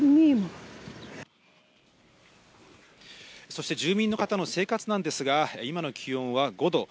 そして住民の方の生活なんですが、今の気温は５度。